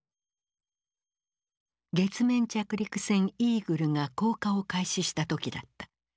月面着陸船イーグルが降下を開始した時だった。